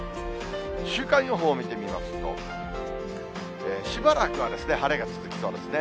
週間予報見てみますと、しばらくは晴れが続きそうですね。